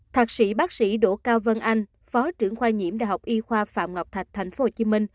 thạc sĩ bác sĩ đỗ cao vân anh phó trưởng khoa nhiễm đại học y khoa phạm ngọc thạch tp hcm